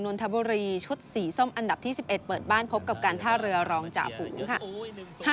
นทบุรีชุดสีส้มอันดับที่๑๑เปิดบ้านพบกับการท่าเรือรองจ่าฝูงค่ะ